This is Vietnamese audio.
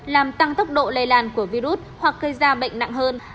làm tăng tốc độ lây lan của virus hoặc cây da bệnh nặng hơn